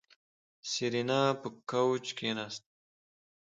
سېرېنا په کوچ کېناسته.